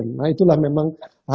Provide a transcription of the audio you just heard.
passion nah itulah memang